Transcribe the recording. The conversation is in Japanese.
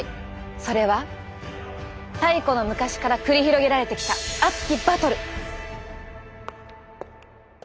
それは太古の昔から繰り広げられてきた熱きバトル！